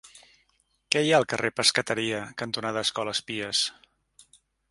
Què hi ha al carrer Pescateria cantonada Escoles Pies?